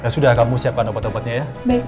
sudah kamu siapkan obat obatnya ya